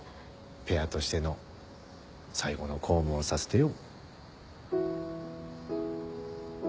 ペアとしての最後の公務をさせてよ。